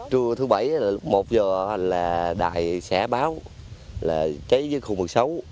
trưa thứ bảy một giờ đài xẻ báo cháy dưới khu một mươi sáu